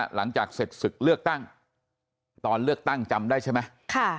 หลังจากเสร็จศึกเลือกตั้งตอนเลือกตั้งจำได้ใช่ไหม